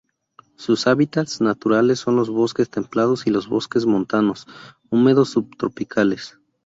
Sus hábitats naturales son los bosques templados y los bosques montanos húmedos subtropicales.